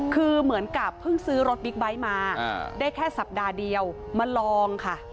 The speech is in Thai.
คือเหมือนกับเพิ่งซื้อรถบิ๊กไบท์มาได้แค่สัปดาห์เดียวมาลองค่ะ